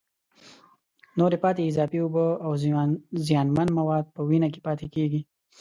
نورې پاتې اضافي اوبه او زیانمن مواد په وینه کې پاتېږي.